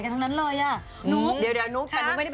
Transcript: หน้าสดใสเพราะว่า